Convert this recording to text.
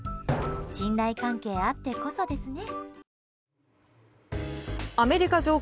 信頼関係あってこそですね。